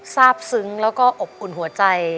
ทราบซึ้งแล้วก็อบอุ่นหัวใจ